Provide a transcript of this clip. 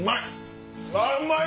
うまい！